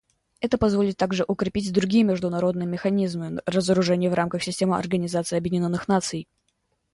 Это позволит также укрепить другие международные механизмы разоружения в рамках системы Организации Объединенных Наций.